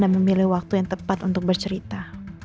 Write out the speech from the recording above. memilih waktu yang tepat untuk bercerita